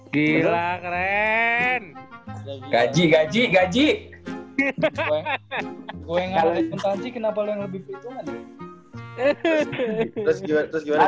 kalo yang ngarep bentang gaji kenapa lu yang lebih berituan